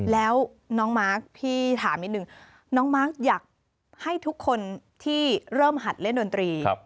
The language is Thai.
แล้วน้องมาร์คพี่ถามนิดนึงน้องมาร์คอยากให้ทุกคนที่เริ่มหัดเล่นดนตรี